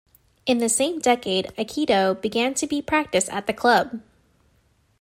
In the same decade aikido began to be practiced at the club.